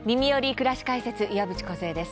くらし解説」岩渕梢です。